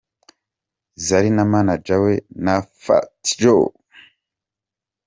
Zari na Manager we na Phat Joe.